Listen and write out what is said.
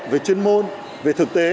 về chuyên môn về thực tế